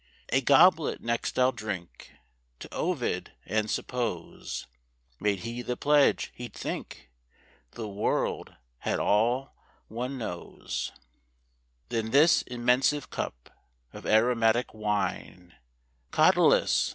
A goblet next I'll drink To Ovid; and suppose Made he the pledge, he'd think The world had all one nose. Then this immensive cup Of aromatic wine, Catullus!